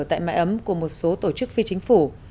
tại mái ấm của một số tổ chức phi chính phủ